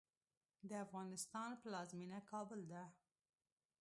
د افغانستان پلازمېنه کابل ده.